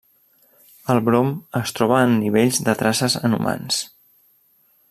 El brom es troba en nivells de traces en humans.